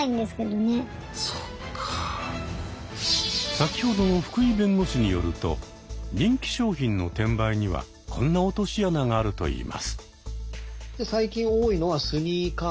先ほどの福井弁護士によると人気商品の転売にはこんな落とし穴があるといいます。